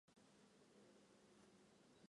鼢鼠属等数种哺乳动物。